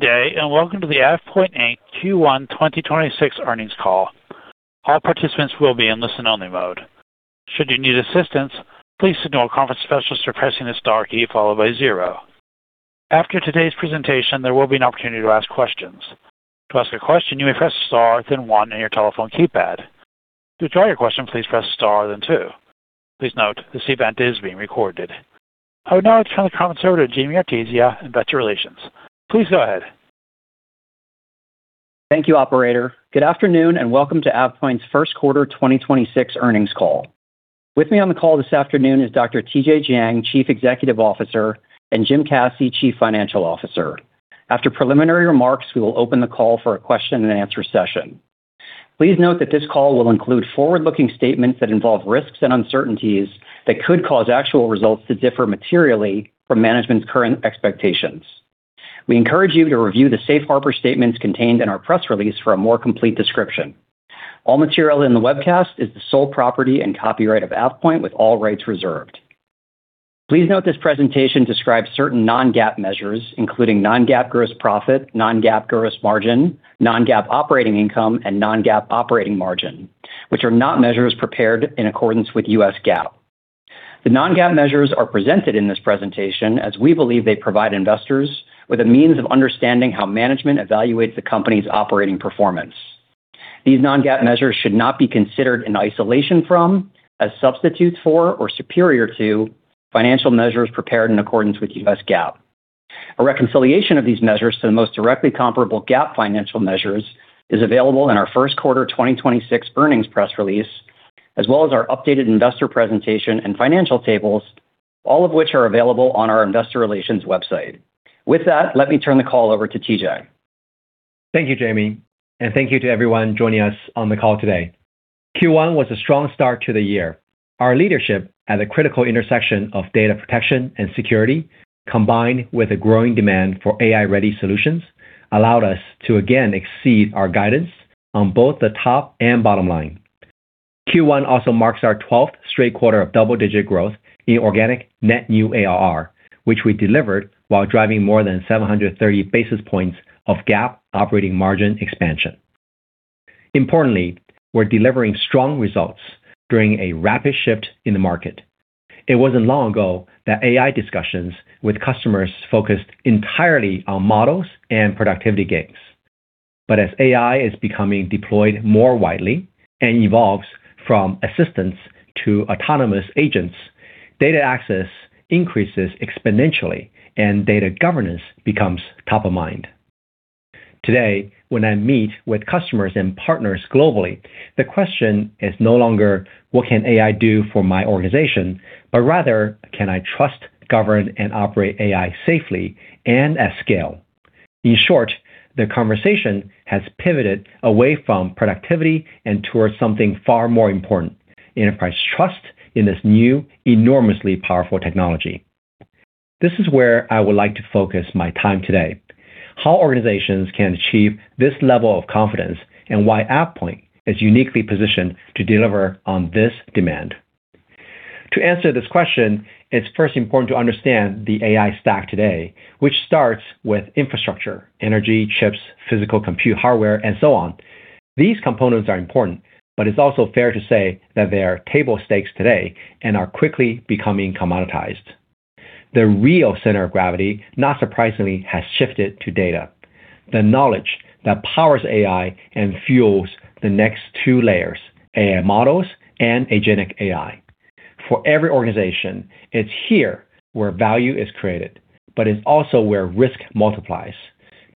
Good day. Welcome to the AvePoint, Inc. Q1 2026 earnings call. All participants will be in listen-only mode. Should you need assistance, please signal a conference specialist by pressing the star key followed by 0. After today's presentation, there will be an opportunity to ask questions. To ask a question, you may press star then 1 on your telephone keypad. To withdraw your question, please press star then 2. Please note, this event is being recorded. I would now like to turn the conference over to Jamie Arestia in Investor Relations. Please go ahead. Thank you, operator. Good afternoon, and welcome to AvePoint's first quarter 2026 earnings call. With me on the call this afternoon is Dr. TJ Jiang, Chief Executive Officer, and Jim Caci, Chief Financial Officer. After preliminary remarks, we will open the call for a question and answer session. Please note that this call will include forward-looking statements that involve risks and uncertainties that could cause actual results to differ materially from management's current expectations. We encourage you to review the safe harbor statements contained in our press release for a more complete description. All material in the webcast is the sole property and copyright of AvePoint with all rights reserved. Please note this presentation describes certain non-GAAP measures, including non-GAAP gross profit, non-GAAP gross margin, non-GAAP operating income, and non-GAAP operating margin, which are not measures prepared in accordance with US GAAP. The non-GAAP measures are presented in this presentation as we believe they provide investors with a means of understanding how management evaluates the company's operating performance. These non-GAAP measures should not be considered in isolation from, as substitutes for, or superior to financial measures prepared in accordance with US GAAP. A reconciliation of these measures to the most directly comparable GAAP financial measures is available in our first quarter 2026 earnings press release, as well as our updated investor presentation and financial tables, all of which are available on our investor relations website. With that, let me turn the call over to TJ. Thank you, Jamie Arestia. And thank you to everyone joining us on the call today. Q1 was a strong start to the year. Our leadership at a critical intersection of data protection and security, combined with a growing demand for AI-ready solutions, allowed us to again exceed our guidance on both the top and bottom line. Q1 also marks our 12th straight quarter of double-digit growth in organic net new ARR, which we delivered while driving more than 730 basis points of GAAP operating margin expansion. Importantly, we're delivering strong results during a rapid shift in the market. It wasn't long ago that AI discussions with customers focused entirely on models and productivity gains. As AI is becoming deployed more widely and evolves from assistance to autonomous agents, data access increases exponentially and data governance becomes top of mind. Today, when I meet with customers and partners globally, the question is no longer, "What can AI do for my organization?" Rather, "Can I trust, govern, and operate AI safely and at scale?" In short, the conversation has pivoted away from productivity and towards something far more important, enterprise trust in this new, enormously powerful technology. This is where I would like to focus my time today, how organizations can achieve this level of confidence, and why AvePoint is uniquely positioned to deliver on this demand. To answer this question, it's first important to understand the AI stack today, which starts with infrastructure, energy, chips, physical compute hardware, and so on. These components are important, but it's also fair to say that they are table stakes today and are quickly becoming commoditized. The real center of gravity, not surprisingly, has shifted to data. The knowledge that powers AI and fuels the next two layers, AI models and agentic AI. For every organization, it's here where value is created, but it's also where risk multiplies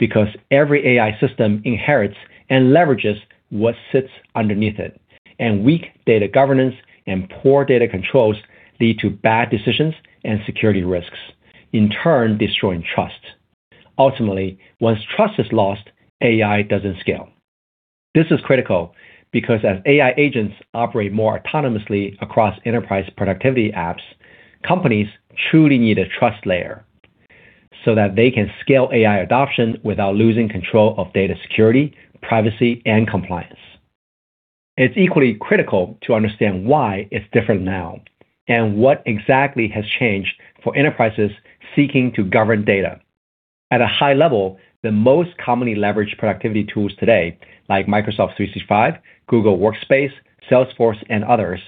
because every AI system inherits and leverages what sits underneath it, and weak data governance and poor data controls lead to bad decisions and security risks, in turn destroying trust. Ultimately, once trust is lost, AI doesn't scale. This is critical because as AI agents operate more autonomously across enterprise productivity apps, companies truly need a trust layer so that they can scale AI adoption without losing control of data security, privacy, and compliance. It's equally critical to understand why it's different now and what exactly has changed for enterprises seeking to govern data. At a high level, the most commonly leveraged productivity tools today, like Microsoft 365, Google Workspace, Salesforce, and others,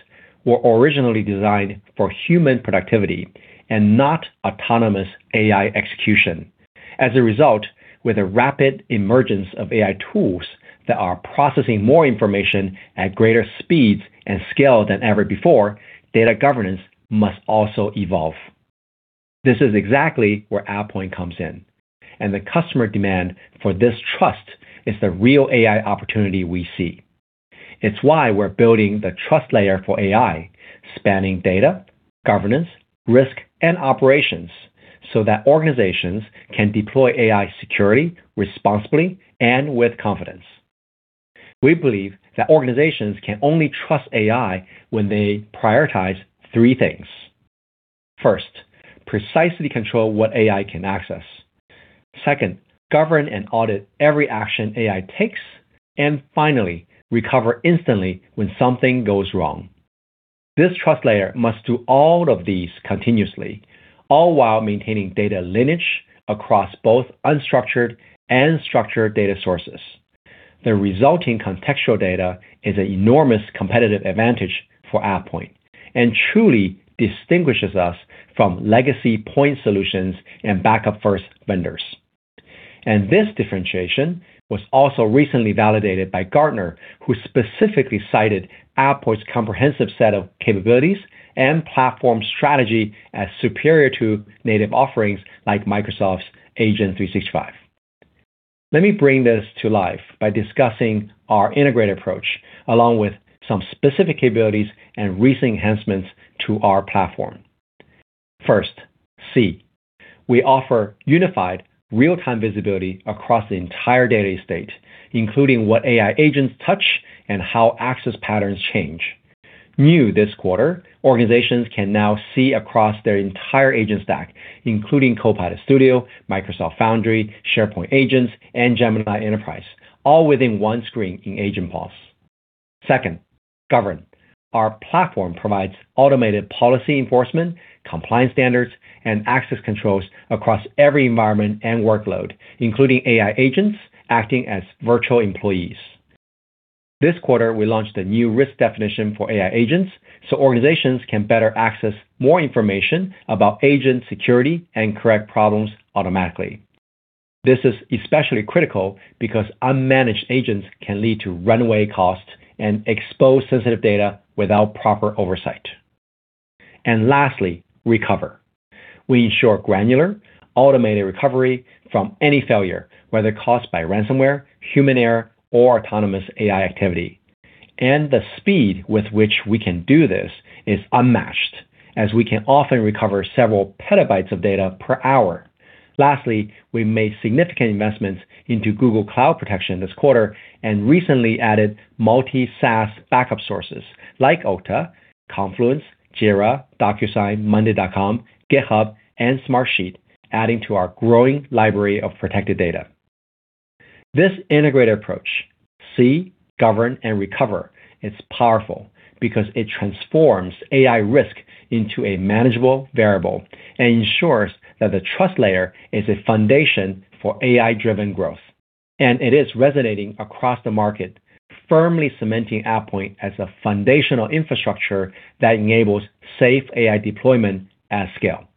were originally designed for human productivity and not autonomous AI execution. As a result, with a rapid emergence of AI tools that are processing more information at greater speeds and scale than ever before, data governance must also evolve. This is exactly where AvePoint comes in, and the customer demand for this trust is the real AI opportunity we see. It's why we're building the trust layer for AI, spanning data, governance, risk, and operations so that organizations can deploy AI securely, responsibly, and with confidence. We believe that organizations can only trust AI when they prioritize three things. First, precisely control what AI can access. Second, govern and audit every action AI takes. Finally, recover instantly when something goes wrong. This trust layer must do all of these continuously, all while maintaining data lineage across both unstructured and structured data sources. The resulting contextual data is an enormous competitive advantage for AvePoint and truly distinguishes us from legacy point solutions and backup-first vendors. This differentiation was also recently validated by Gartner, who specifically cited AvePoint's comprehensive set of capabilities and platform strategy as superior to native offerings like Microsoft's Agent 365. Let me bring this to life by discussing our integrated approach, along with some specific capabilities and recent enhancements to our platform. First, We offer unified real-time visibility across the entire data estate, including what AI agents touch and how access patterns change. New this quarter, organizations can now see across their entire agent stack, including Copilot Studio, Microsoft Foundry, SharePoint Agents, and Gemini Enterprise, all within one screen in AgentPulse. Second, govern. Our platform provides automated policy enforcement, compliance standards, and access controls across every environment and workload, including AI agents acting as virtual employees. This quarter, we launched a new risk definition for AI agents, so organizations can better access more information about agent security and correct problems automatically. This is especially critical because unmanaged agents can lead to runaway costs and expose sensitive data without proper oversight. Lastly, recover. We ensure granular automated recovery from any failure, whether caused by ransomware, human error, or autonomous AI activity. The speed with which we can do this is unmatched, as we can often recover several petabytes of data per hour. Lastly, we made significant investments into Google Cloud protection this quarter and recently added multi-SaaS backup sources like Okta, Confluence, Jira, DocuSign, monday.com, GitHub, and Smartsheet, adding to our growing library of protected data. This integrated approach, see, govern, and recover is powerful because it transforms AI risk into a manageable variable and ensures that the trust layer is a foundation for AI-driven growth. It is resonating across the market, firmly cementing AvePoint as a foundational infrastructure that enables safe AI deployment at scale.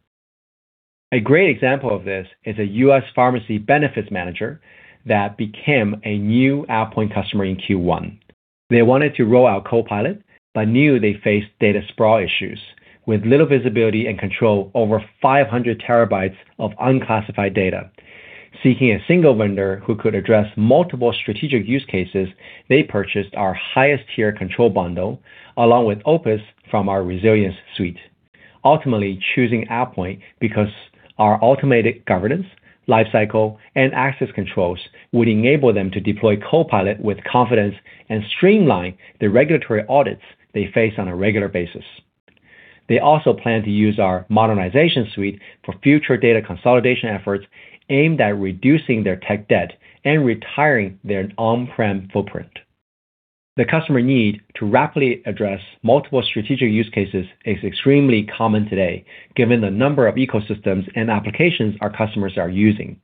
A great example of this is a U.S. pharmacy benefits manager that became a new AvePoint customer in Q1. They wanted to roll out Copilot but knew they faced data sprawl issues with little visibility and control over 500 terabytes of unclassified data. Seeking a single vendor who could address multiple strategic use cases, they purchased our highest tier control bundle along with Opus from our Resilience Suite. Ultimately choosing AvePoint because our automated governance, lifecycle, and access controls would enable them to deploy Copilot with confidence and streamline the regulatory audits they face on a regular basis. They also plan to use our Modernization Suite for future data consolidation efforts aimed at reducing their tech debt and retiring their on-prem footprint. The customer need to rapidly address multiple strategic use cases is extremely common today given the number of ecosystems and applications our customers are using.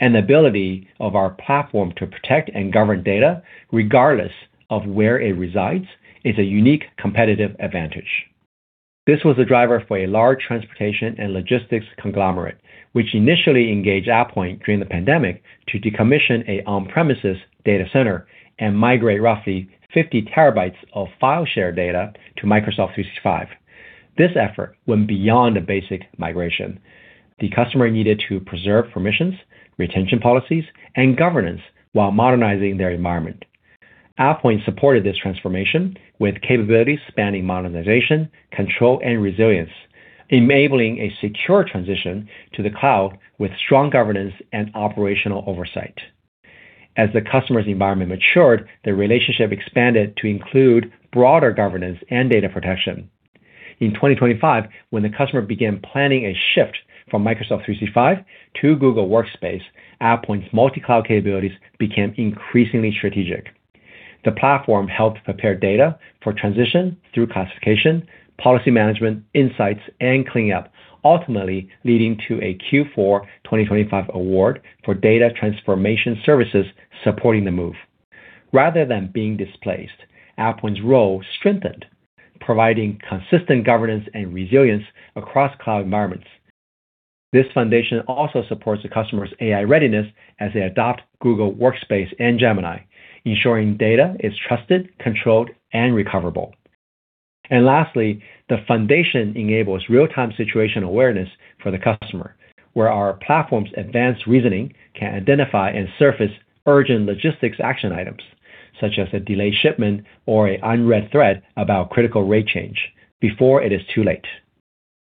The ability of our platform to protect and govern data regardless of where it resides is a unique competitive advantage. This was a driver for a large transportation and logistics conglomerate, which initially engaged AvePoint during the pandemic to decommission a on-premises data center and migrate roughly 50 TB of file share data to Microsoft 365. This effort went beyond a basic migration. The customer needed to preserve permissions, retention policies, and governance while modernizing their environment. AvePoint supported this transformation with capabilities spanning modernization, control, and resilience, enabling a secure transition to the cloud with strong governance and operational oversight. As the customer's environment matured, the relationship expanded to include broader governance and data protection. In 2025, when the customer began planning a shift from Microsoft 365 to Google Workspace, AvePoint's multi-cloud capabilities became increasingly strategic. The platform helped prepare data for transition through classification, policy management, insights, and cleanup, ultimately leading to a Q4 2025 award for data transformation services supporting the move. Rather than being displaced, AvePoint's role strengthened, providing consistent governance and resilience across cloud environments. This foundation also supports the customer's AI readiness as they adopt Google Workspace and Gemini, ensuring data is trusted, controlled, and recoverable. Lastly, the foundation enables real-time situation awareness for the customer, where our platform's advanced reasoning can identify and surface urgent logistics action items, such as a delayed shipment or a unread thread about critical rate change before it is too late.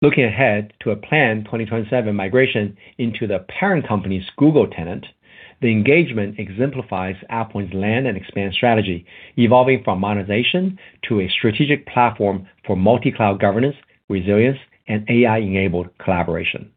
Looking ahead to a planned 2027 migration into the parent company's Google tenant, the engagement exemplifies AvePoint's land and expand strategy, evolving from modernization to a strategic platform for multi-cloud governance, resilience, and AI-enabled collaboration.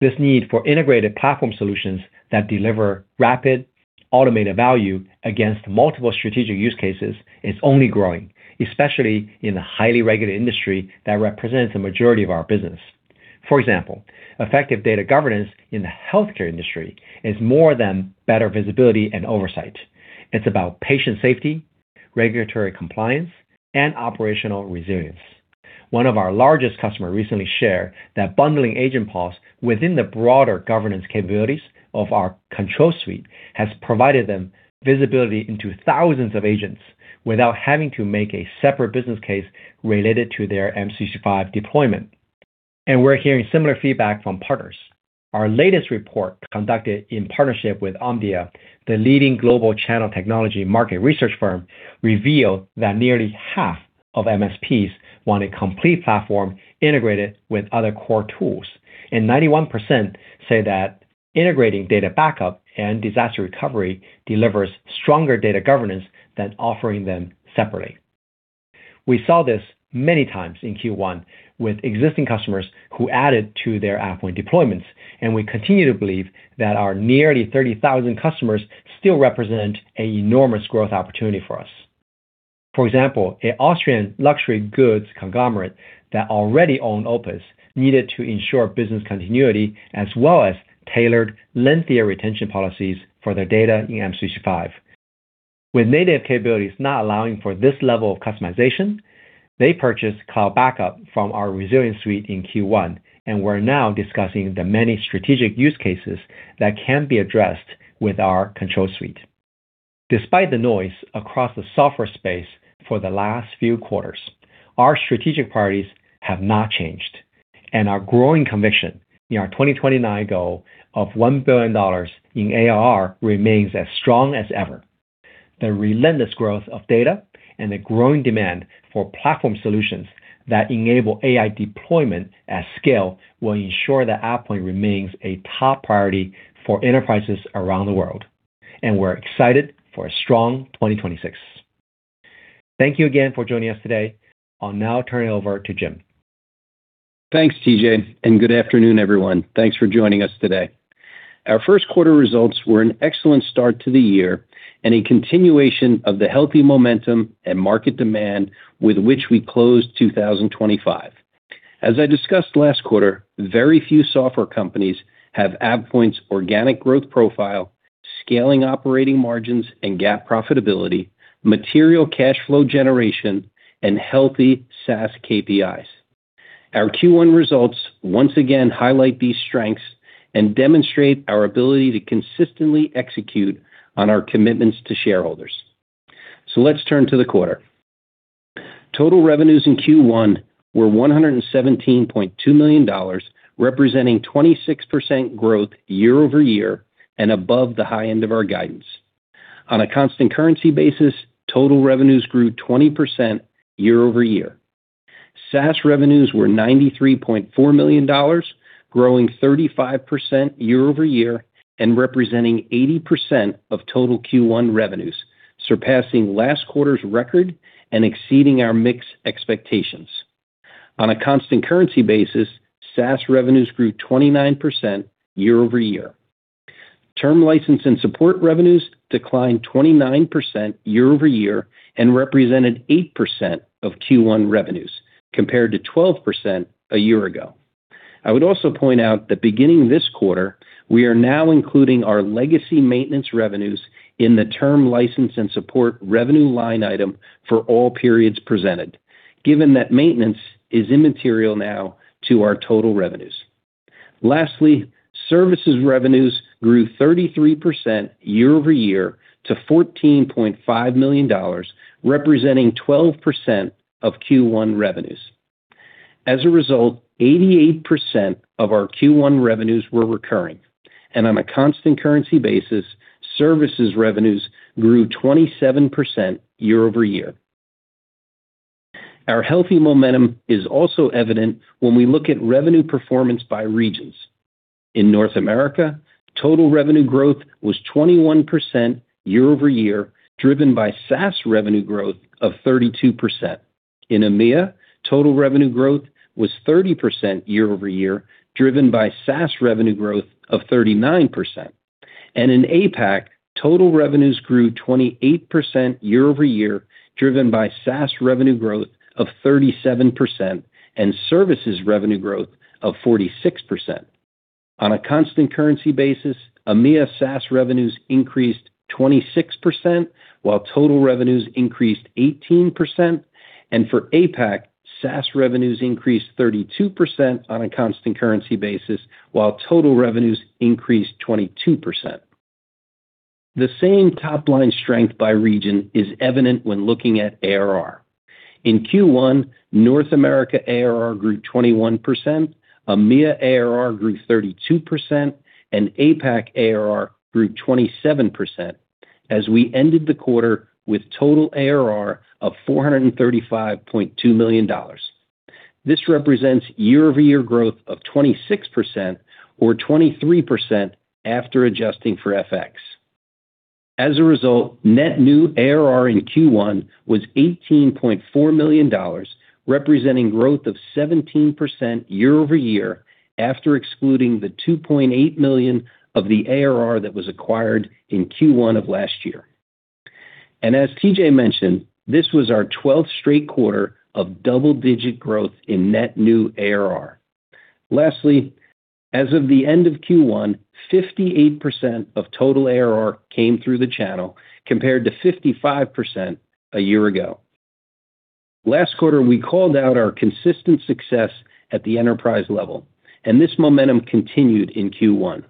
This need for integrated platform solutions that deliver rapid automated value against multiple strategic use cases is only growing, especially in the highly regulated industry that represents the majority of our business. For example, effective data governance in the healthcare industry is more than better visibility and oversight. It's about patient safety, regulatory compliance, and operational resilience. One of our largest customer recently shared that bundling Agent Policy within the broader governance capabilities of our Control Suite has provided them visibility into thousands of agents without having to make a separate business case related to their M365 deployment. We're hearing similar feedback from partners. Our latest report, conducted in partnership with Omdia, the leading global channel technology market research firm, revealed that nearly half of MSPs want a complete platform integrated with other core tools, and 91% say that integrating cloud backup and disaster recovery delivers stronger data governance than offering them separately. We saw this many times in Q1 with existing customers who added to their AvePoint deployments, and we continue to believe that our nearly 30,000 customers still represent an enormous growth opportunity for us. For example, an Austrian luxury goods conglomerate that already owned Opus needed to ensure business continuity as well as tailored, lengthier retention policies for their data in M365. With native capabilities not allowing for this level of customization, they purchased cloud backup from our Resilience Suite in Q1, and we're now discussing the many strategic use cases that can be addressed with our Control Suite. Despite the noise across the software space for the last few quarters, our strategic priorities have not changed, and our growing conviction in our 2029 goal of $1 billion in ARR remains as strong as ever. The relentless growth of data and the growing demand for platform solutions that enable AI deployment at scale will ensure that AvePoint remains a top priority for enterprises around the world. We're excited for a strong 2026. Thank you again for joining us today. I'll now turn it over to Jim. Thanks, TJ, and good afternoon, everyone. Thanks for joining us today. Our first quarter results were an excellent start to the year and a continuation of the healthy momentum and market demand with which we closed 2025. As I discussed last quarter, very few software companies have AvePoint's organic growth profile, scaling operating margins and GAAP profitability, material cash flow generation, and healthy SaaS KPIs. Our Q1 results once again highlight these strengths and demonstrate our ability to consistently execute on our commitments to shareholders. Let's turn to the quarter. Total revenues in Q1 were $117.2 million, representing 26% growth year-over-year and above the high end of our guidance. On a constant currency basis, total revenues grew 20% year-over-year. SaaS revenues were $93.4 million, growing 35% year-over-year and representing 80% of total Q1 revenues, surpassing last quarter's record and exceeding our mix expectations. On a constant currency basis, SaaS revenues grew 29% year-over-year. Term license and support revenues declined 29% year-over-year and represented 8% of Q1 revenues compared to 12% a year ago. I would also point out that beginning this quarter, we are now including our legacy maintenance revenues in the term license and support revenue line item for all periods presented, given that maintenance is immaterial now to our total revenues. Lastly, services revenues grew 33% year-over-year to $14.5 million, representing 12% of Q1 revenues. As a result, 88% of our Q1 revenues were recurring. On a constant currency basis, services revenues grew 27% year-over-year. Our healthy momentum is also evident when we look at revenue performance by regions. In North America, total revenue growth was 21% year-over-year, driven by SaaS revenue growth of 32%. In EMEA, total revenue growth was 30% year-over-year, driven by SaaS revenue growth of 39%. In APAC, total revenues grew 28% year-over-year, driven by SaaS revenue growth of 37% and services revenue growth of 46%. On a constant currency basis, EMEA SaaS revenues increased 26%, while total revenues increased 18%. For APAC, SaaS revenues increased 32% on a constant currency basis, while total revenues increased 22%. The same top-line strength by region is evident when looking at ARR. In Q1, North America ARR grew 21%, EMEA ARR grew 32%, and APAC ARR grew 27% as we ended the quarter with total ARR of $435.2 million. This represents year-over-year growth of 26% or 23% after adjusting for FX. As a result, net new ARR in Q1 was $18.4 million, representing growth of 17% year-over-year after excluding the $2.8 million of the ARR that was acquired in Q1 of last year. As TJ mentioned, this was our 12th straight quarter of double-digit growth in net new ARR. Lastly, as of the end of Q1, 58% of total ARR came through the channel compared to 55% a year ago. Last quarter, we called out our consistent success at the enterprise level, this momentum continued in Q1.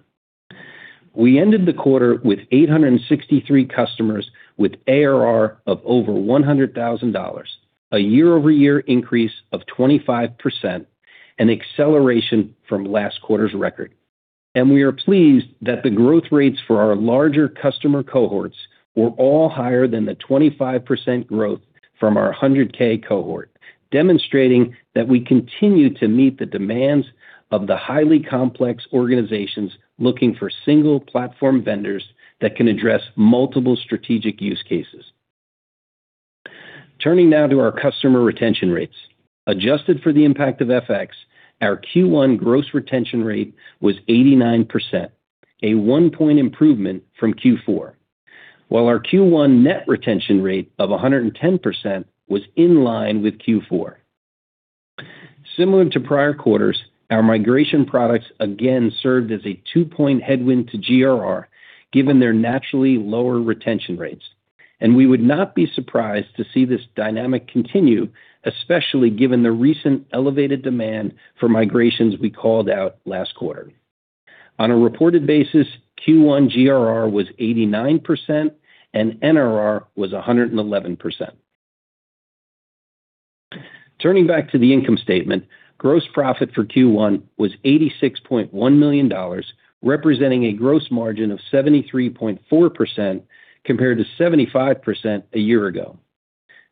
We ended the quarter with 863 customers with ARR of over $100,000, a year-over-year increase of 25%, an acceleration from last quarter's record. We are pleased that the growth rates for our larger customer cohorts were all higher than the 25% growth from our 100K cohort, demonstrating that we continue to meet the demands of the highly complex organizations looking for single platform vendors that can address multiple strategic use cases. Turning now to our customer retention rates. Adjusted for the impact of FX, our Q1 gross retention rate was 89%, a 1-point improvement from Q4, while our Q1 net retention rate of 110% was in line with Q4. Similar to prior quarters, our migration products again served as a 2-point headwind to GRR given their naturally lower retention rates. We would not be surprised to see this dynamic continue, especially given the recent elevated demand for migrations we called out last quarter. On a reported basis, Q1 GRR was 89% and NRR was 111%. Turning back to the income statement, gross profit for Q1 was $86.1 million, representing a gross margin of 73.4% compared to 75% a year ago.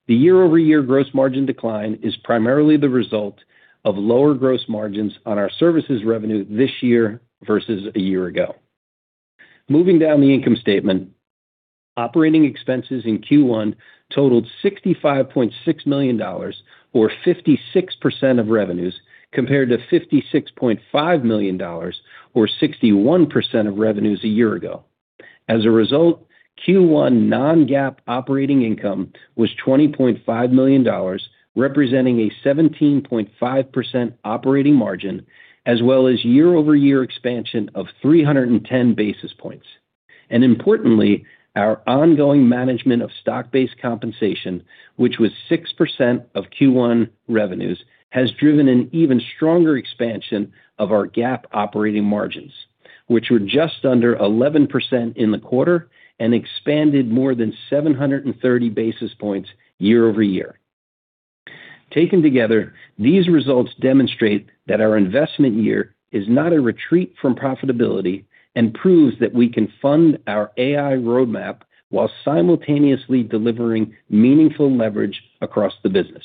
The year-over-year gross margin decline is primarily the result of lower gross margins on our services revenue this year versus a year ago. Moving down the income statement, operating expenses in Q1 totaled $65.6 million or 56% of revenues compared to $56.5 million or 61% of revenues a year ago. Q1 non-GAAP operating income was $20.5 million, representing a 17.5% operating margin as well as year-over-year expansion of 310 basis points. Importantly, our ongoing management of stock-based compensation, which was 6% of Q1 revenues, has driven an even stronger expansion of our GAAP operating margins, which were just under 11% in the quarter and expanded more than 730 basis points year-over-year. Taken together, these results demonstrate that our investment year is not a retreat from profitability and proves that we can fund our AI roadmap while simultaneously delivering meaningful leverage across the business.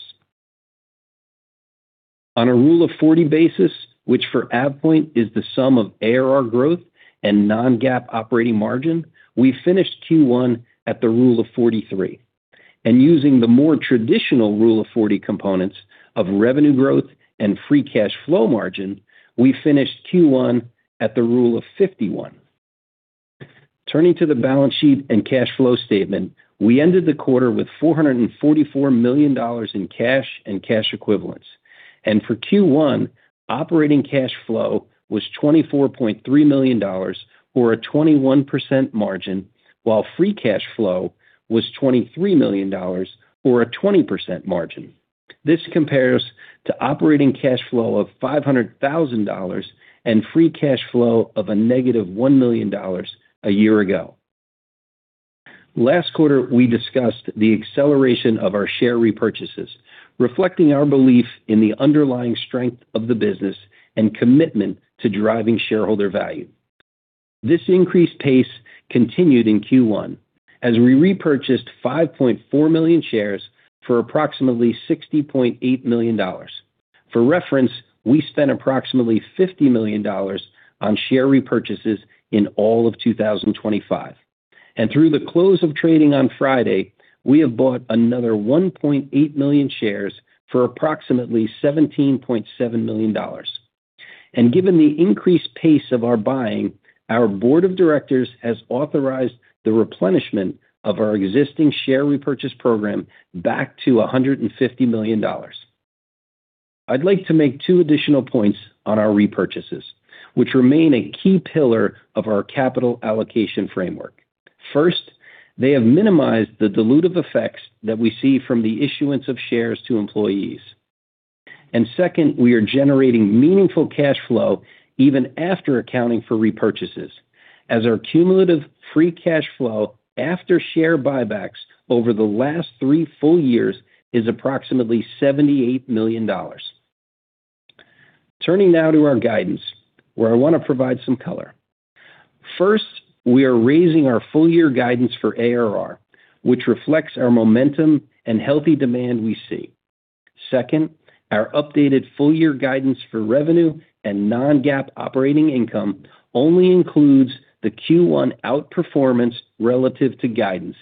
On a Rule of 40 basis, which for AvePoint is the sum of ARR growth and non-GAAP operating margin, we finished Q1 at the Rule of 43. Using the more traditional Rule of 40 components of revenue growth and free cash flow margin, we finished Q1 at the Rule of 51. Turning to the balance sheet and cash flow statement, we ended the quarter with $444 million in cash and cash equivalents. For Q1, operating cash flow was $24.3 million or a 21% margin, while free cash flow was $23 million or a 20% margin. This compares to operating cash flow of $500,000 and free cash flow of a negative $1 million a year ago. Last quarter, we discussed the acceleration of our share repurchases, reflecting our belief in the underlying strength of the business and commitment to driving shareholder value. This increased pace continued in Q1 as we repurchased 5.4 million shares for approximately $60.8 million. For reference, we spent approximately $50 million on share repurchases in all of 2025. Through the close of trading on Friday, we have bought another 1.8 million shares for approximately $17.7 million. Given the increased pace of our buying, our board of directors has authorized the replenishment of our existing share repurchase program back to $150 million. I'd like to make two additional points on our repurchases, which remain a key pillar of our capital allocation framework. First, they have minimized the dilutive effects that we see from the issuance of shares to employees. Second, we are generating meaningful cash flow even after accounting for repurchases, as our cumulative free cash flow after share buybacks over the last three full years is approximately $78 million. Turning now to our guidance, where I want to provide some color. First, we are raising our full-year guidance for ARR, which reflects our momentum and healthy demand we see. Second, our updated full year guidance for revenue and non-GAAP operating income only includes the Q1 outperformance relative to guidance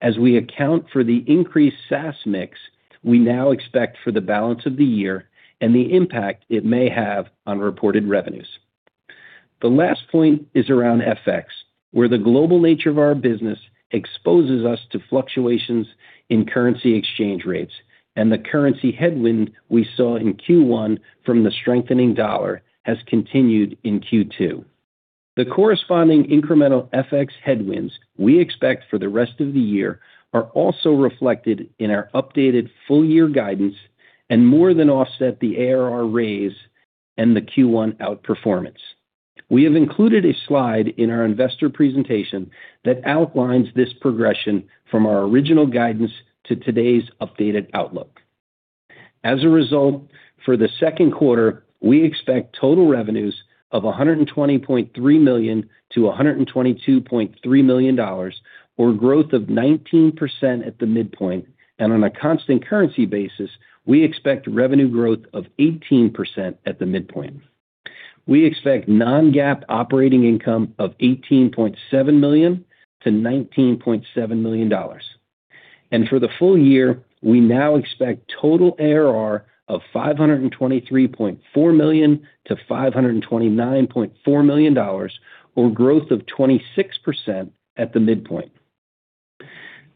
as we account for the increased SaaS mix we now expect for the balance of the year and the impact it may have on reported revenues. The last point is around FX, where the global nature of our business exposes us to fluctuations in currency exchange rates, and the currency headwind we saw in Q1 from the strengthening dollar has continued in Q2. The corresponding incremental FX headwinds we expect for the rest of the year are also reflected in our updated full year guidance and more than offset the ARR raise and the Q1 outperformance. We have included a slide in our investor presentation that outlines this progression from our original guidance to today's updated outlook. As a result, for the second quarter, we expect total revenues of $120.3 million-$122.3 million or growth of 19% at the midpoint. On a constant currency basis, we expect revenue growth of 18% at the midpoint. We expect non-GAAP operating income of $18.7 million-$19.7 million. For the full year, we now expect total ARR of $523.4 million-$529.4 million or growth of 26% at the midpoint.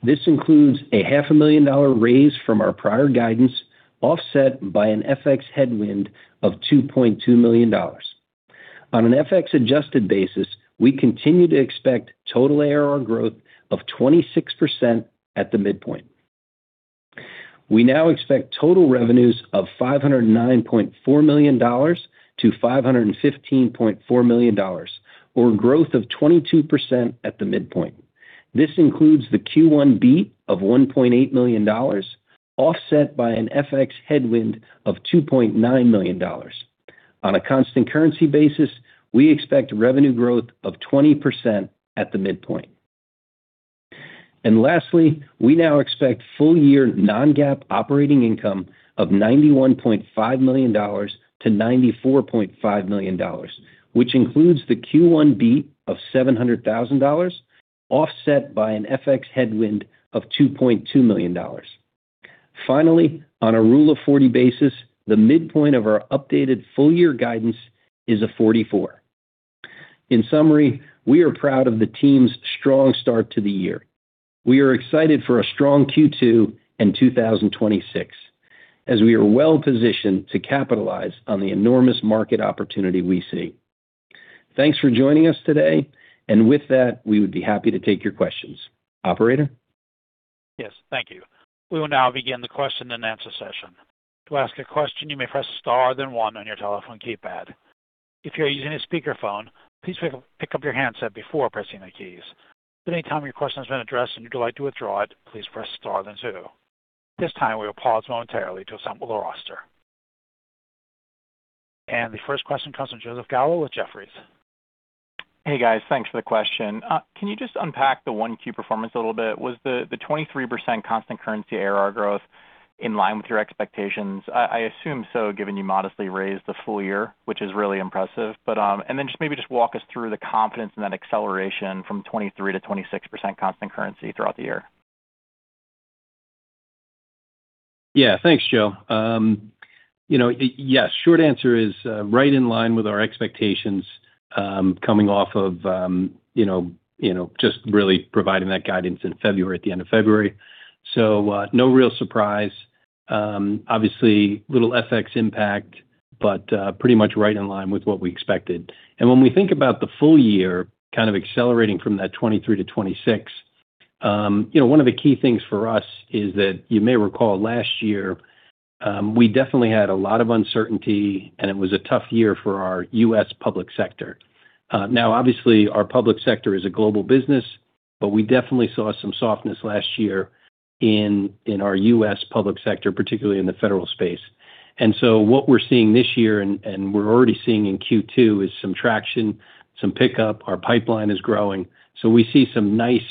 This includes a half a million dollar raise from our prior guidance, offset by an FX headwind of $2.2 million. On an FX-adjusted basis, we continue to expect total ARR growth of 26% at the midpoint. We now expect total revenues of $509.4 million-$515.4 million or growth of 22% at the midpoint. This includes the Q1 beat of $1.8 million, offset by an FX headwind of $2.9 million. On a constant currency basis, we expect revenue growth of 20% at the midpoint. Lastly, we now expect full year non-GAAP operating income of $91.5 million to $94.5 million, which includes the Q1 beat of $700,000, offset by an FX headwind of $2.2 million. On a Rule of 40 basis, the midpoint of our updated full year guidance is 44%. In summary, we are proud of the team's strong start to the year. We are excited for a strong Q2 in 2026, as we are well-positioned to capitalize on the enormous market opportunity we see. Thanks for joining us today. With that, we would be happy to take your questions. Operator? Yes. Thank you. We will now begin the question and answer session. To ask a question, you may press star then 1 on your telephone keypad. If you're using a speakerphone, please pick up your handset before pressing the keys. At any time your question has been addressed and you'd like to withdraw it, please press star then 2. At this time, we will pause momentarily to assemble the roster. The first question comes from Joseph Gallo with Jefferies. Hey, guys. Thanks for the question. Can you just unpack the 1Q performance a little bit? Was the 23% constant currency ARR growth in line with your expectations? I assume so, given you modestly raised the full year, which is really impressive. Then just maybe walk us through the confidence in that acceleration from 23% to 26% constant currency throughout the year. Yeah. Thanks, Joe. You know, yes, short answer is, right in line with our expectations, coming off of, you know, just really providing that guidance in February, at the end of February. No real surprise. Obviously little FX impact, but pretty much right in line with what we expected. When we think about the full year kind of accelerating from that 23 to 26, you know, one of the key things for us is that you may recall last year, we definitely had a lot of uncertainty, and it was a tough year for our U.S. public sector. Now, obviously, our public sector is a global business, but we definitely saw some softness last year in our U.S. public sector, particularly in the federal space. What we're seeing this year and we're already seeing in Q2, is some traction, some pickup. Our pipeline is growing. We see some nice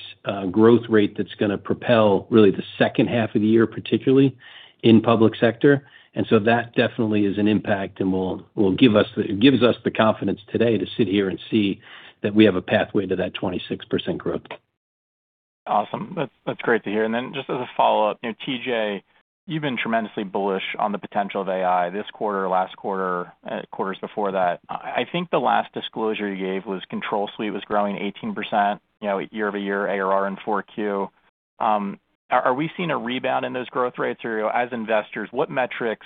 growth rate that's gonna propel really the second half of the year, particularly in public sector. That definitely is an impact, and it gives us the confidence today to sit here and see that we have a pathway to that 26% growth. Awesome. That's great to hear. Then just as a follow-up, you know, TJ, you've been tremendously bullish on the potential of AI this quarter, last quarter, quarters before that. I think the last disclosure you gave was Control Suite was growing 18%, you know, year over year ARR in 4Q. Are we seeing a rebound in those growth rates? Or as investors, what metrics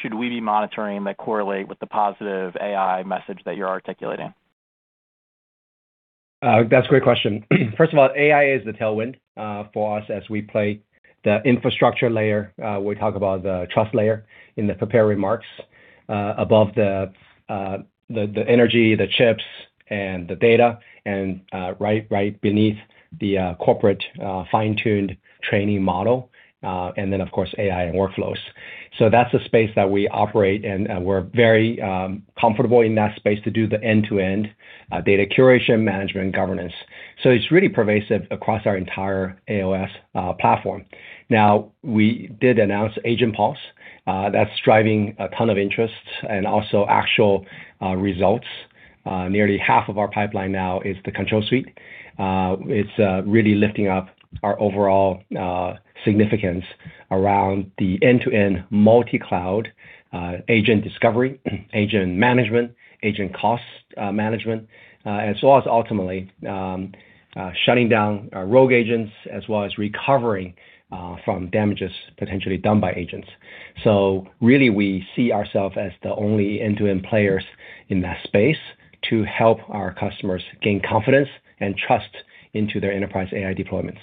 should we be monitoring that correlate with the positive AI message that you're articulating? That's a great question. First of all, AI is the tailwind for us as we play the infrastructure layer. We talk about the trust layer in the prepared remarks, above the energy, the chips and the data and right beneath the corporate fine-tuned training model, and then, of course, AI and workflows. That's the space that we operate, and we're very comfortable in that space to do the end-to-end data curation, management, governance. It's really pervasive across our entire AOS platform. Now, we did announce AgentPulse that's driving a ton of interest and also actual results. Nearly half of our pipeline now is the Control Suite. It's really lifting up our overall significance around the end-to-end multi-cloud, agent discovery, agent management, agent cost management, as well as ultimately, shutting down our rogue agents, as well as recovering from damages potentially done by agents. Really we see ourself as the only end-to-end players in that space to help our customers gain confidence and trust into their enterprise AI deployments.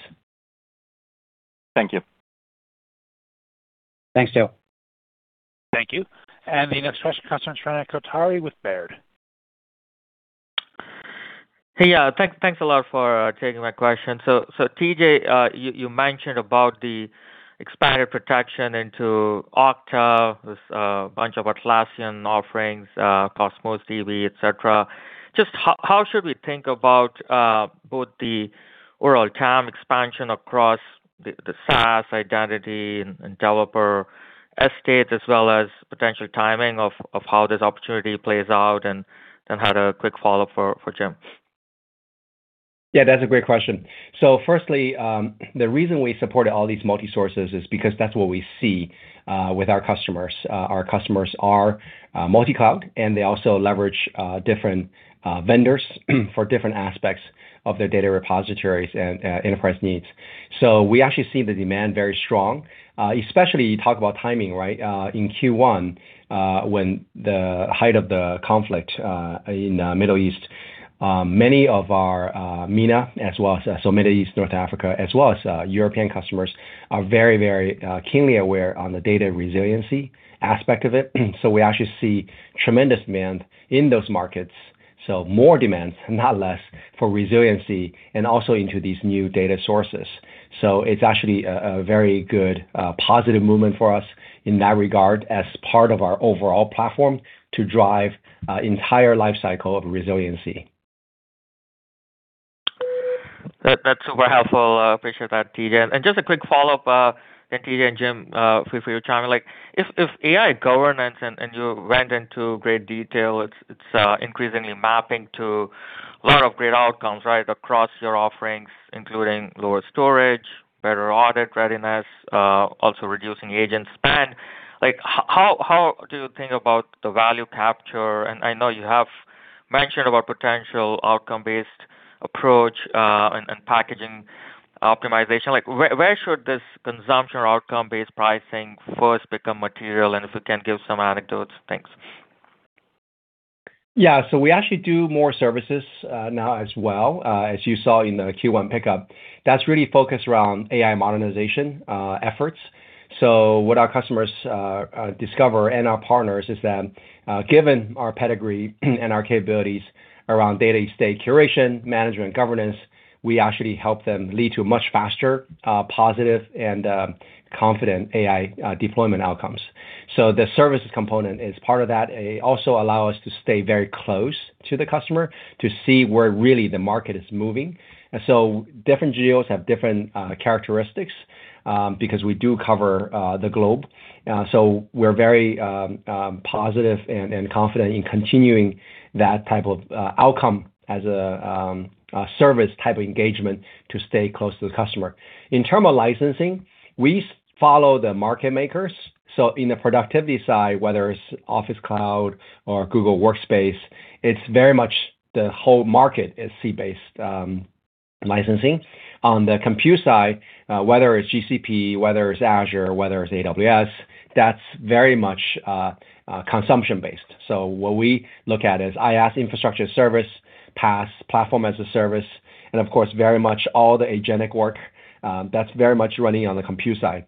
Thank you. Thanks you. Thank you. The next question comes from Shrenik Kothari with Baird. Hey. Yeah. Thanks a lot for taking my question. TJ, you mentioned about the expanded protection into Okta, this bunch of Atlassian offerings, Cosmos DB, et cetera. How should we think about both the overall TAM expansion across the SaaS identity and developer estates as well as potential timing of how this opportunity plays out? I had a quick follow-up for Jim. Yeah, that's a great question. Firstly, the reason we supported all these multi sources is because that's what we see with our customers. Our customers are multi-cloud, and they also leverage different vendors for different aspects of their data repositories and enterprise needs. We actually see the demand very strong, especially you talk about timing, right? In Q1, when the height of the conflict in Middle East, many of our MENA as well as Middle East, North Africa, as well as European customers are very, very keenly aware on the data resiliency aspect of it. We actually see tremendous demand in those markets. More demand, not less, for resiliency and also into these new data sources. It's actually a very good, positive movement for us in that regard as part of our overall platform to drive, entire life cycle of resiliency. That's super helpful. Appreciate that, TJ. Just a quick follow-up, and TJ and Jim, like if AI governance, and you went into great detail, it's increasingly mapping to a lot of great outcomes, right? Across your offerings, including lower storage, better audit readiness, also reducing Agent spend. How do you think about the value capture? I know you have mentioned about potential outcome-based approach, and packaging optimization. Where should this consumption or outcome-based pricing first become material? If you can give some anecdotes. Thanks. Yeah. We actually do more services now as well, as you saw in the Q1 pickup. That's really focused around AI modernization efforts. What our customers discover and our partners is that, given our pedigree and our capabilities around data estate curation, management, governance, we actually help them lead to a much faster, positive and confident AI deployment outcomes. The services component is part of that. It also allow us to stay very close to the customer to see where really the market is moving. Different geos have different characteristics because we do cover the globe. We're very positive and confident in continuing that type of outcome as a service type of engagement to stay close to the customer. In terms of licensing, we follow the market makers. In the productivity side, whether it's Office 365 or Google Workspace, it's very much the whole market is C-based licensing. On the compute side, whether it's GCP, whether it's Azure, whether it's AWS, that's very much consumption-based. What we look at is IaaS, infrastructure as a service, PaaS, platform as a service, and of course, very much all the agentic work that's very much running on the compute side.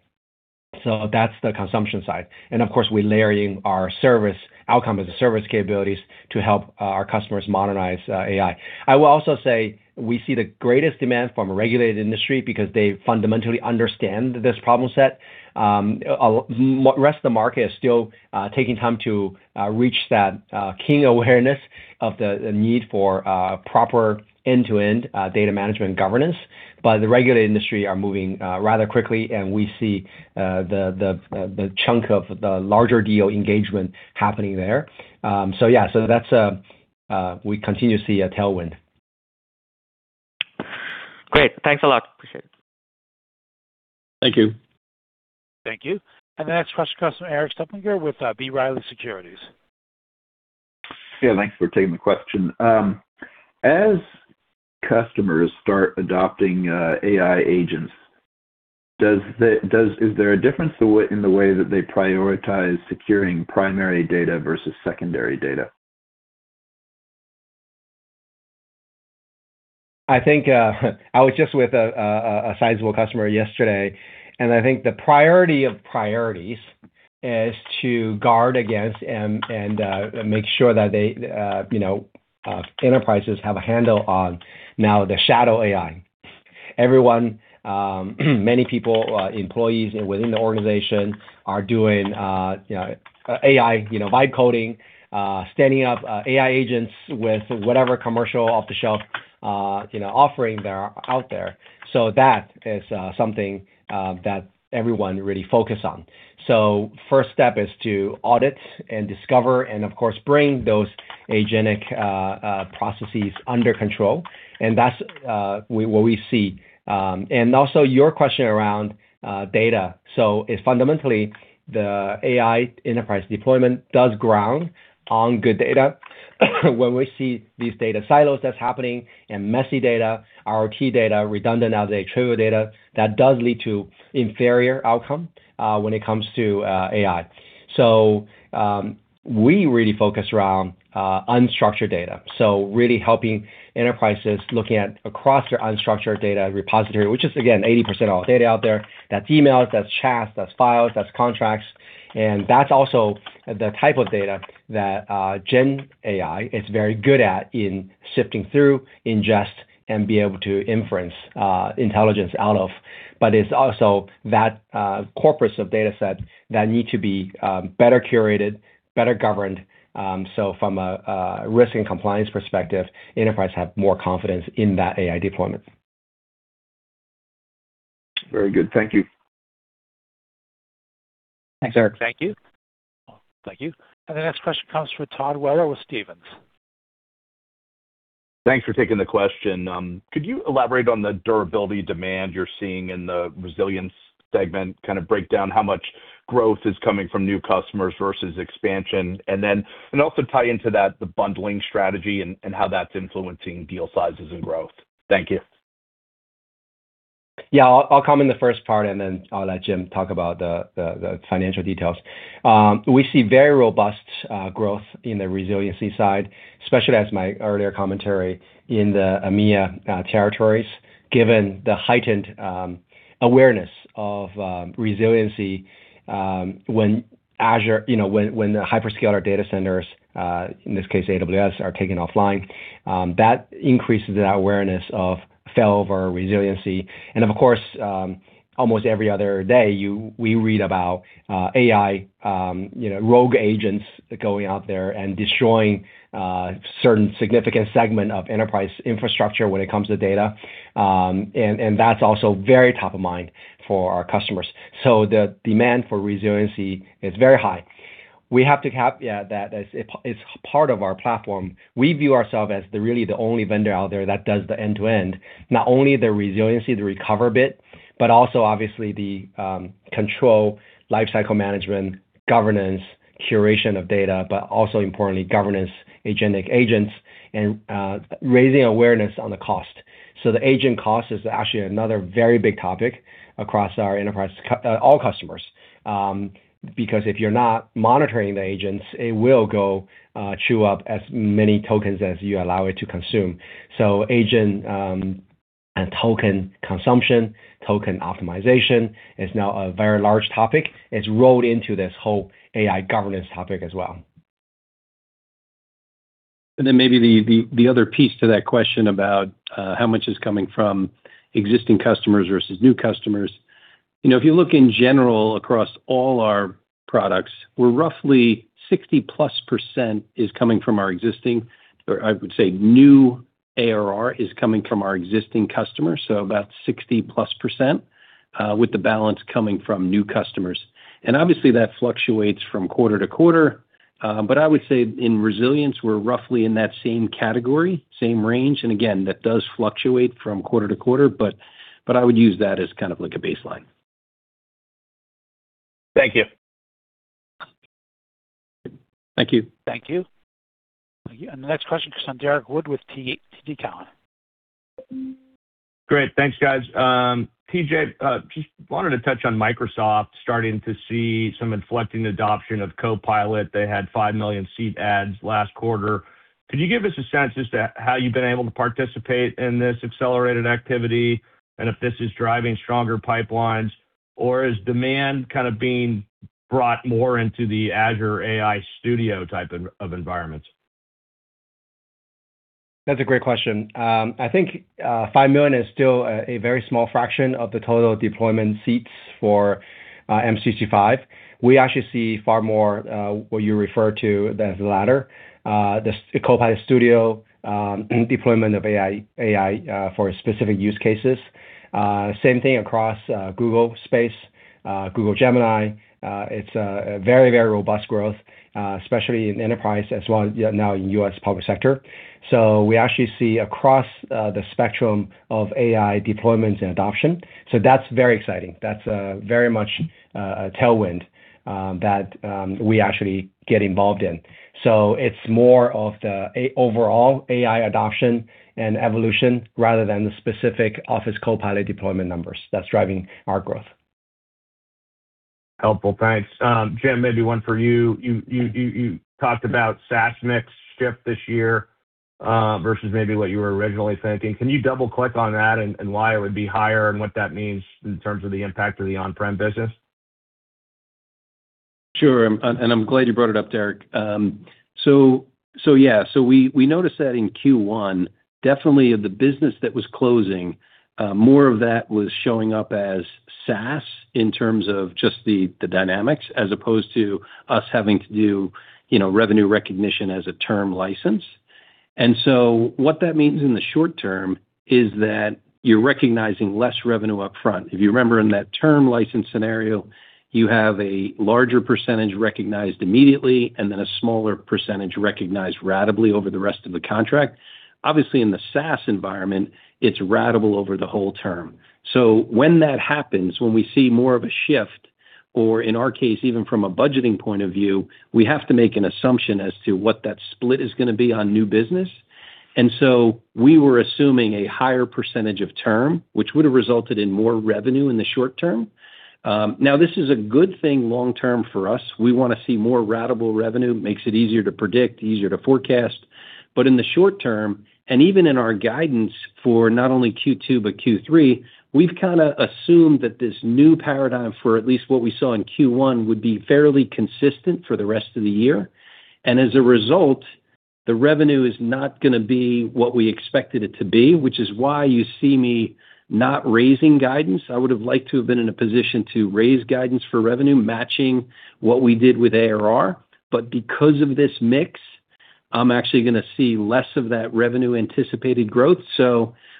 That's the consumption side. Of course, we're layering our service outcome as a service capabilities to help our customers modernize AI. I will also say we see the greatest demand from a regulated industry because they fundamentally understand this problem set. Rest of the market is still taking time to reach that keen awareness of the need for proper end-to-end data management governance. The regulated industry are moving rather quickly, and we see the chunk of the larger deal engagement happening there. That's we continue to see a tailwind. Great. Thanks a lot. Appreciate it. Thank you. Thank you. The next question comes from Erik Suppiger with, B. Riley Securities. Thanks for taking the question. As customers start adopting AI agents, is there a difference in the way that they prioritize securing primary data versus secondary data? I think, I was just with a sizable customer yesterday, and I think the priority of priorities is to guard against and, make sure that they, you know, enterprises have a handle on now the shadow AI. Everyone, many people, employees within the organization are doing, you know, AI, you know, vibe coding, standing up, AI agents with whatever commercial off-the-shelf, you know, offering there are out there. That is something that everyone really focus on. First step is to audit and discover and of course bring those agentic processes under control, and that's what we see. And also your question around data. If fundamentally the AI enterprise deployment does ground on good data, when we see these data silos that's happening and messy data, ROT data, redundant out of date trivial data, that does lead to inferior outcome when it comes to AI. We really focus around unstructured data, really helping enterprises looking at across their unstructured data repository, which is again 80% of all data out there. That's emails, that's chats, that's files, that's contracts, and that's also the type of data that gen AI is very good at in sifting through, ingest, and be able to inference intelligence out of. It's also that corpus of data sets that need to be better curated, better governed, so from a risk and compliance perspective, enterprise have more confidence in that AI deployment. Very good. Thank you. Thanks, Erik. Thank you. Thank you. The next question comes from Todd Weller with Stephens. Thanks for taking the question. Could you elaborate on the durability demand you're seeing in the Resilience segment? Kind of break down how much growth is coming from new customers versus expansion? Also tie into that the bundling strategy and how that's influencing deal sizes and growth? Thank you. Yeah, I'll comment the first part, and then I'll let Jim talk about the financial details. We see very robust growth in the resiliency side, especially as my earlier commentary in the EMEA territories, given the heightened awareness of resiliency when Azure, when the hyperscaler data centers, in this case AWS, are taken offline. That increases that awareness of failover resiliency. Of course, almost every other day we read about AI, rogue agents going out there and destroying certain significant segment of enterprise infrastructure when it comes to data. That's also very top of mind for our customers. The demand for resiliency is very high. We have to cap that as it's part of our platform. We view ourself as the really the only vendor out there that does the end-to-end, not only the resiliency, the recover bit, but also obviously the control, lifecycle management, governance, curation of data, but also importantly governance, agentic agents and raising awareness on the cost. The agent cost is actually another very big topic across our enterprise all customers. Because if you're not monitoring the agents, it will go chew up as many tokens as you allow it to consume. Agent and token consumption, token optimization is now a very large topic. It's rolled into this whole AI governance topic as well. Then maybe the other piece to that question about how much is coming from existing customers versus new customers. You know, if you look in general across all our products, we're roughly 60%+ is coming from our existing, or I would say new ARR is coming from our existing customers, so about 60%+, with the balance coming from new customers. Obviously, that fluctuates from quarter to quarter, but I would say in resilience, we're roughly in that same category, same range. Again, that does fluctuate from quarter to quarter, but I would use that as kind of like a baseline. Thank you. Thank you. Thank you. Thank you. The next question comes from Derrick Wood with TD Cowen. Great. Thanks, guys. TJ, just wanted to touch on Microsoft starting to see some inflecting adoption of Copilot. They had 5 million seat adds last quarter. Could you give us a sense as to how you've been able to participate in this accelerated activity and if this is driving stronger pipelines? Or is demand kind of being brought more into the Azure AI Studio type of environments? That's a great question. I think 5 million is still a very small fraction of the total deployment seats for M365. We actually see far more what you refer to as the latter. The Copilot Studio deployment of AI for specific use cases. Same thing across Google Workspace. Google Gemini, it's a very robust growth especially in enterprise as well, now in U.S. public sector. We actually see across the spectrum of AI deployments and adoption. That's very exciting. That's very much a tailwind that we actually get involved in. It's more of the overall AI adoption and evolution rather than the specific Office Copilot deployment numbers that's driving our growth. Helpful. Thanks. Jim, maybe one for you. You talked about SaaS mix shift this year, versus maybe what you were originally thinking. Can you double-click on that and why it would be higher and what that means in terms of the impact of the on-prem business? Sure. I'm glad you brought it up, Derrick. Yeah. We noticed that in Q1, definitely the business that was closing, more of that was showing up as SaaS in terms of just the dynamics, as opposed to us having to do, you know, revenue recognition as a term license. What that means in the short term is that you're recognizing less revenue up front. If you remember in that term license scenario, you have a larger percentage recognized immediately, and then a smaller percentage recognized ratably over the rest of the contract. Obviously, in the SaaS environment, it's ratable over the whole term. When that happens, when we see more of a shift, or in our case, even from a budgeting point of view, we have to make an assumption as to what that split is going to be on new business. We were assuming a higher percentage of term, which would have resulted in more revenue in the short term. Now this is a good thing long term for us. We want to see more ratable revenue. Makes it easier to predict, easier to forecast. In the short term, and even in our guidance for not only Q2 but Q3, we've kind of assumed that this new paradigm for at least what we saw in Q1 would be fairly consistent for the rest of the year. As a result, the revenue is not gonna be what we expected it to be, which is why you see me not raising guidance. I would have liked to have been in a position to raise guidance for revenue matching what we did with ARR. Because of this mix, I'm actually gonna see less of that revenue anticipated growth.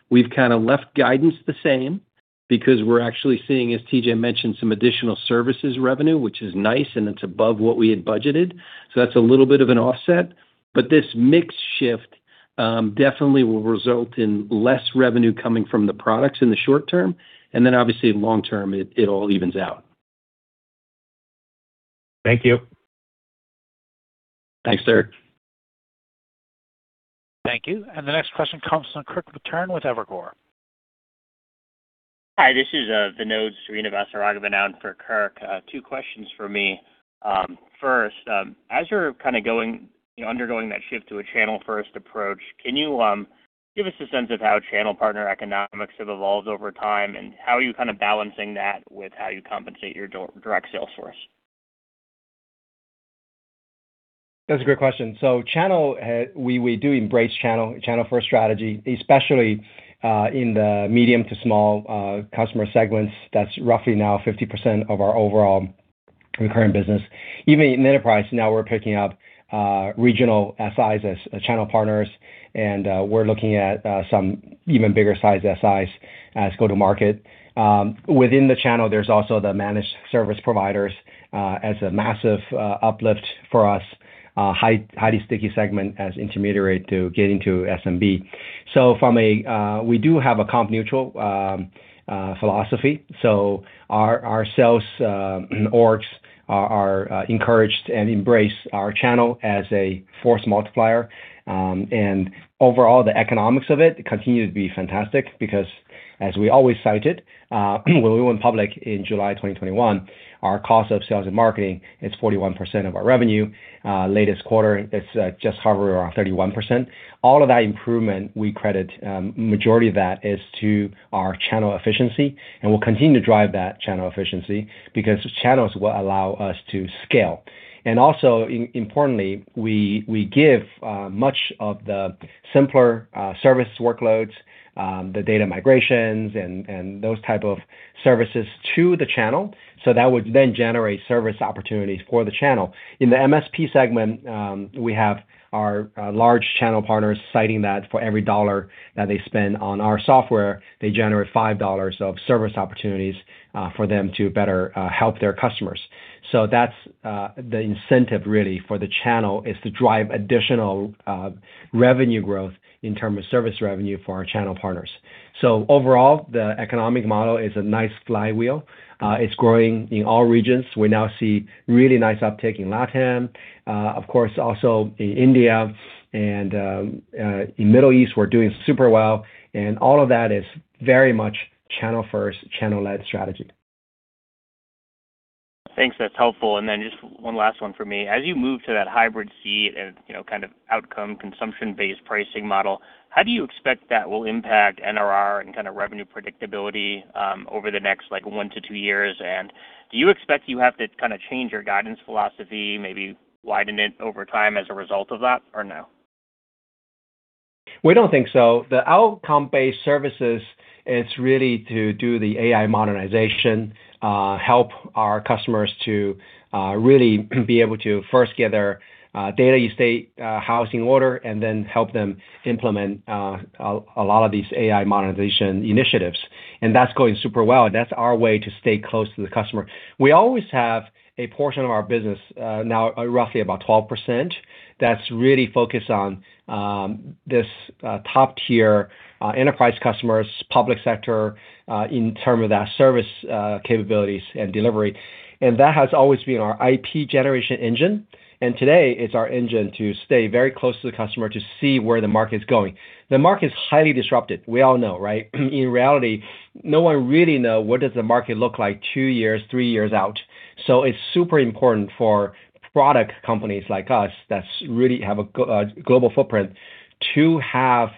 We've kinda left guidance the same because we're actually seeing, as TJ mentioned, some additional services revenue, which is nice, and it's above what we had budgeted. That's a little bit of an offset. This mix shift definitely will result in less revenue coming from the products in the short term. Obviously, long term, it all evens out. Thank you. Thanks, Derrick. Thank you. The next question comes from Kirk Materne with Evercore. Hi, this is Vinod Srinivasan. Dialing in for Kirk. Two questions for me. First, as you're kinda going, you know, undergoing that shift to a channel-first approach, can you give us a sense of how channel partner economics have evolved over time, and how are you kinda balancing that with how you compensate your direct sales force? That's a great question. Channel, we do embrace channel-first strategy, especially in the medium to small customer segments. That's roughly now 50% of our overall recurring business. Even in enterprise now we're picking up regional SIs as channel partners, we're looking at some even bigger size SIs as go-to-market. Within the channel, there's also the managed service providers as a massive uplift for us, highly sticky segment as intermediary to getting to SMB. We do have a comp neutral philosophy. Our sales orgs are encouraged and embrace our channel as a force multiplier. Overall, the economics of it continue to be fantastic because, as we always cited, when we went public in July 2021, our cost of sales and marketing is 41% of our revenue. Latest quarter, it's just hovering around 31%. All of that improvement, we credit, majority of that is to our channel efficiency. We'll continue to drive that channel efficiency because channels will allow us to scale. Also, importantly, we give much of the simpler, service workloads, the data migrations and those type of services to the channel. That would then generate service opportunities for the channel. In the MSP segment, we have our large channel partners citing that for every $1 that they spend on our software, they generate $5 of service opportunities for them to better help their customers. That's the incentive really for the channel, is to drive additional revenue growth in terms of service revenue for our channel partners. Overall, the economic model is a nice flywheel. It's growing in all regions. We now see really nice uptake in LATAM. Of course also in India and in Middle East, we're doing super well, and all of that is very much channel first, channel led strategy. Thanks. That's helpful. Just one last one for me. As you move to that hybrid seat and, you know, kind of outcome consumption-based pricing model, how do you expect that will impact NRR and kind of revenue predictability, over the next, like, 1-2 years? Do you expect you have to kinda change your guidance philosophy, maybe widen it over time as a result of that, or no? We don't think so. The outcome-based services is really to do the AI modernization, help our customers to really be able to first get their data estate house in order and then help them implement a lot of these AI modernization initiatives. That's going super well. That's our way to stay close to the customer. We always have a portion of our business, now roughly about 12%, that's really focused on this top-tier enterprise customers, public sector, in term of that service capabilities and delivery. That has always been our IT generation engine, and today it's our engine to stay very close to the customer to see where the market's going. The market is highly disrupted. We all know, right? In reality, no one really know what does the market look like 2 years, 3 years out. It's super important for product companies like us that's really have a global footprint to have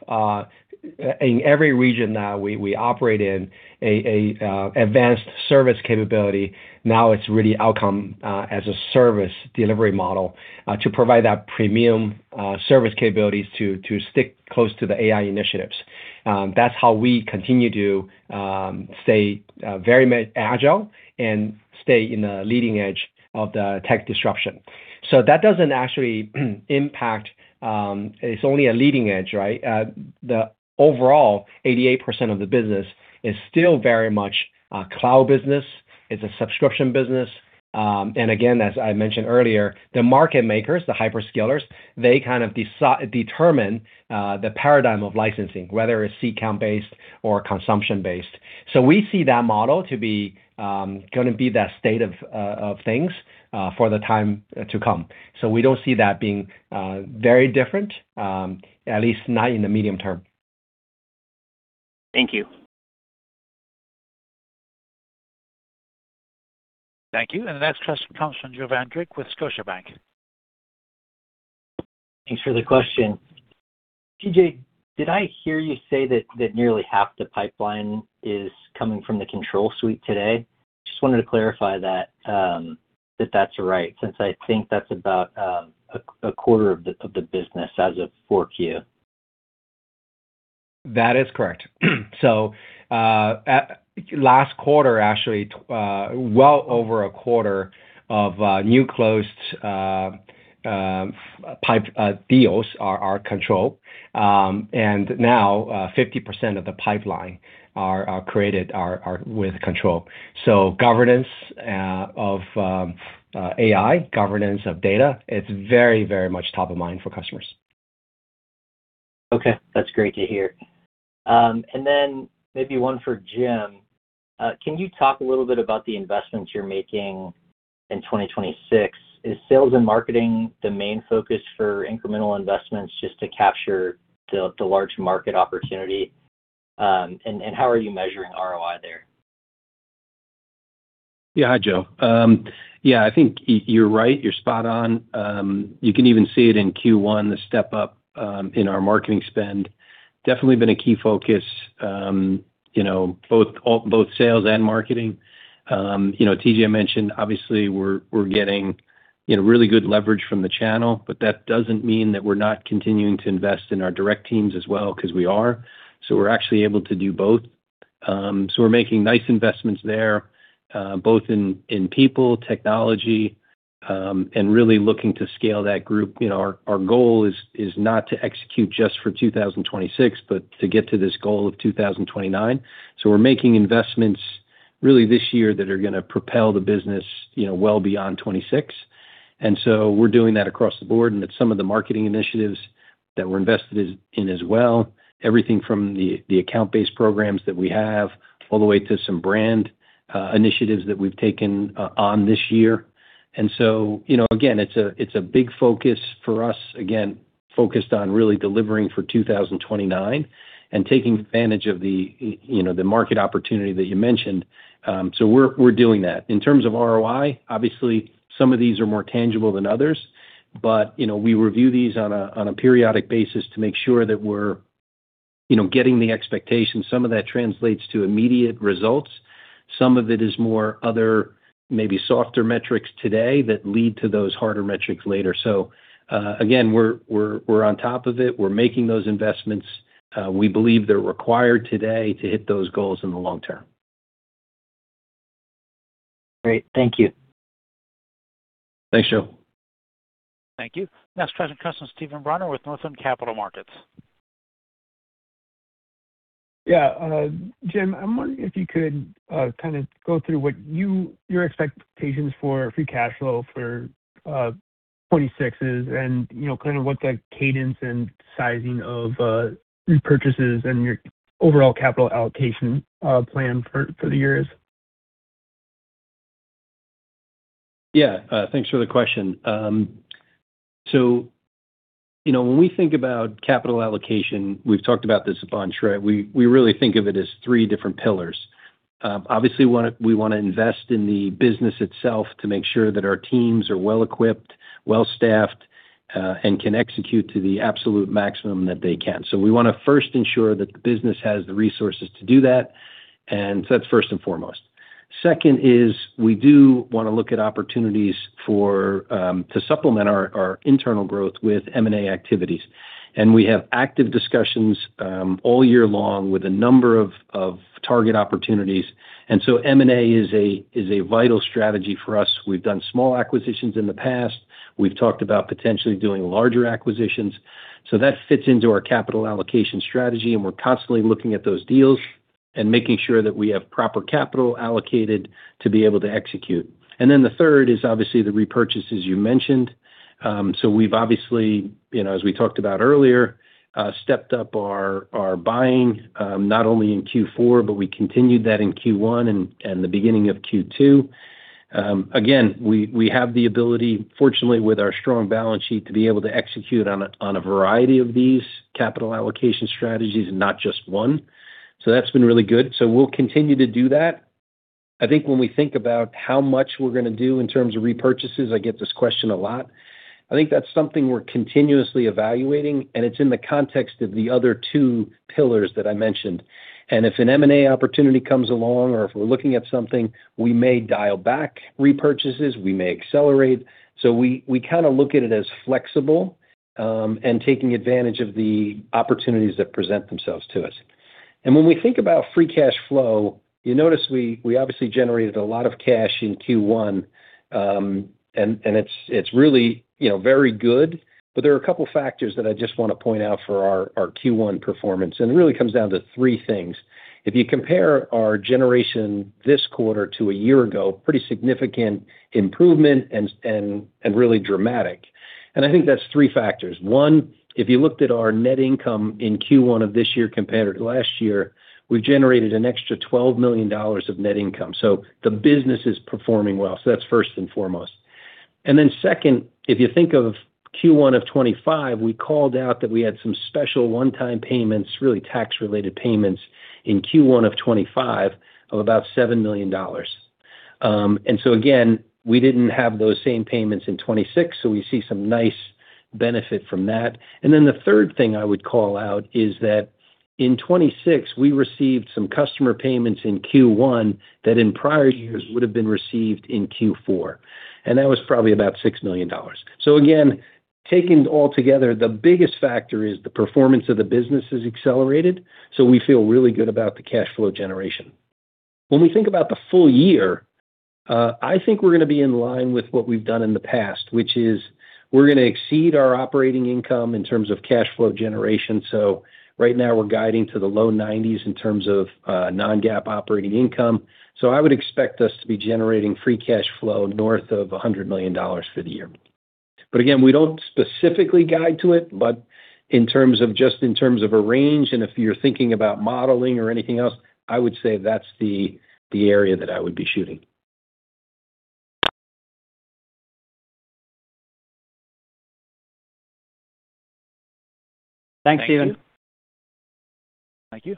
in every region that we operate in, a advanced service capability. Now it's really outcome as a service delivery model to provide that premium service capabilities to stick close to the AI initiatives. That's how we continue to stay very agile and stay in the leading edge of the tech disruption. That doesn't actually impact. It's only a leading edge, right? The overall 88% of the business is still very much a cloud business. It's a subscription business. Again, as I mentioned earlier, the market makers, the hyperscalers, they kind of determine the paradigm of licensing, whether it's C count-based or consumption-based. We see that model to be gonna be that state of things for the time to come. We don't see that being very different, at least not in the medium term. Thank you. Thank you. The next question comes from Joe Vandrick with Scotiabank. Thanks for the question. TJ, did I hear you say that nearly half the pipeline is coming from the Control Suite today? Just wanted to clarify that that's right, since I think that's about a quarter of the business as of Q4. That is correct. Last quarter, actually, well over a quarter of new closed pipe deals are Control. Now, 50% of the pipeline are created with Control. Governance of AI, governance of data, it's very, very much top of mind for customers. Okay. That's great to hear. Then maybe one for Jim. Can you talk a little bit about the investments you're making in 2026? Is sales and marketing the main focus for incremental investments just to capture the large market opportunity? How are you measuring ROI there? Hi, Joe. I think you're right. You're spot on. You can even see it in Q1, the step up in our marketing spend. Definitely been a key focus, you know, both sales and marketing. You know, TJ mentioned obviously we're getting, you know, really good leverage from the channel, that doesn't mean that we're not continuing to invest in our direct teams as well, 'cause we are. We're actually able to do both. We're making nice investments there, both in people, technology, and really looking to scale that group. You know, our goal is not to execute just for 2026, but to get to this goal of 2029. We're making investments really this year that are gonna propel the business, you know, well beyond 26. We're doing that across the board, and it's some of the marketing initiatives that we're invested in as well, everything from the account-based programs that we have, all the way to some brand initiatives that we've taken on this year. You know, again, it's a big focus for us, again, focused on really delivering for 2029 and taking advantage of the, you know, the market opportunity that you mentioned. We're doing that. In terms of ROI, obviously some of these are more tangible than others, but, you know, we review these on a periodic basis to make sure that we're, you know, getting the expectations. Some of that translates to immediate results. Some of it is more other maybe softer metrics today that lead to those harder metrics later. Again, we're on top of it. We're making those investments. We believe they're required today to hit those goals in the long term. Great. Thank you. Thanks, Joe. Thank you. Next question comes from Steven Brunner with Northland Capital Markets. Jim, I'm wondering if you could kinda go through your expectations for free cash flow for 2026 and, you know, kind of what the cadence and sizing of repurchases and your overall capital allocation plan for the year is. Thanks for the question. You know, when we think about capital allocation, we've talked about this ad infinitum. We really think of it as three different pillars. Obviously, we wanna invest in the business itself to make sure that our teams are well-equipped, well-staffed and can execute to the absolute maximum that they can. We wanna first ensure that the business has the resources to do that, and that's first and foremost. Second is we do wanna look at opportunities for to supplement our internal growth with M&A activities. We have active discussions all year long with a number of target opportunities. M&A is a vital strategy for us. We've done small acquisitions in the past. We've talked about potentially doing larger acquisitions. That fits into our capital allocation strategy, and we're constantly looking at those deals and making sure that we have proper capital allocated to be able to execute. The third is obviously the repurchases you mentioned. We've obviously, you know, as we talked about earlier, stepped up our buying not only in Q4, but we continued that in Q1 and the beginning of Q2. We have the ability, fortunately with our strong balance sheet, to be able to execute on a variety of these capital allocation strategies and not just one. That's been really good. We'll continue to do that. When we think about how much we're going to do in terms of repurchases, I get this question a lot. I think that's something we're continuously evaluating, and it's in the context of the other two pillars that I mentioned. If an M&A opportunity comes along or if we're looking at something, we may dial back repurchases, we may accelerate. We kinda look at it as flexible and taking advantage of the opportunities that present themselves to us. When we think about free cash flow, you notice we obviously generated a lot of cash in Q1, and it's really, you know, very good. There are a couple factors that I just wanna point out for our Q1 performance, and it really comes down to three things. If you compare our generation this quarter to a year ago, pretty significant improvement and really dramatic. I think that's three factors. If you looked at our net income in Q1 of this year compared to last year, we have generated an extra $12 million of net income. The business is performing well. That is first and foremost. Second, if you think of Q1 of 2025, we called out that we had some special one-time payments, really tax-related payments in Q1 of 2025 of about $7 million. Again, we did not have those same payments in 2026, so we see some nice benefit from that. The third thing I would call out is that in 2026, we received some customer payments in Q1 that in prior years would have been received in Q4, and that was probably about $6 million. Again, taking all together, the biggest factor is the performance of the business is accelerated, so we feel really good about the cash flow generation. When we think about the full year, I think we're gonna be in line with what we've done in the past, which is we're gonna exceed our operating income in terms of cash flow generation. Right now, we're guiding to the low 90s in terms of non-GAAP operating income. I would expect us to be generating free cash flow north of $100 million for the year. Again, we don't specifically guide to it, but in terms of just in terms of a range and if you're thinking about modeling or anything else, I would say that's the area that I would be shooting. Thanks you. Thank you.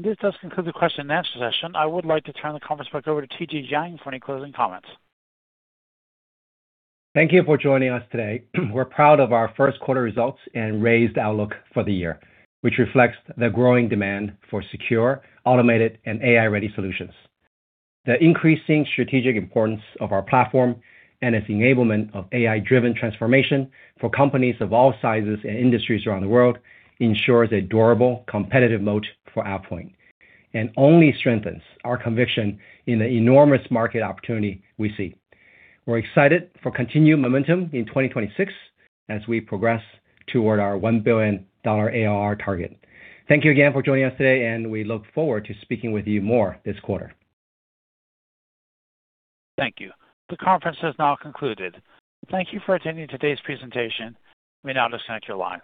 This does conclude the question and answer session. I would like to turn the conference back over to TJ Jiang for any closing comments. Thank you for joining us today. We're proud of our first quarter results and raised outlook for the year, which reflects the growing demand for secure, automated, and AI-ready solutions. The increasing strategic importance of our platform and its enablement of AI-driven transformation for companies of all sizes and industries around the world ensures a durable competitive moat for AvePoint and only strengthens our conviction in the enormous market opportunity we see. We're excited for continued momentum in 2026 as we progress toward our $1 billion ARR target. Thank you again for joining us today, and we look forward to speaking with you more this quarter. Thank you. The conference has now concluded. Thank you for attending today's presentation. You may now disconnect your lines.